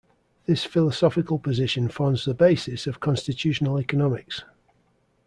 This philosophical position forms the basis of constitutional economics.